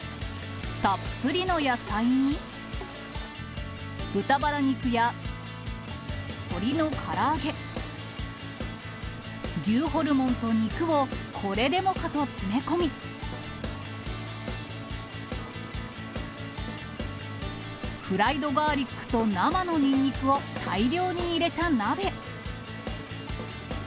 たっぷりの野菜に、豚ばら肉や鶏のから揚げ、牛ホルモンと肉を、これでもかと詰め込み、フライドガーリックと生のニンニクを大量に入れた鍋。